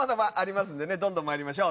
どんどんまいりましょう。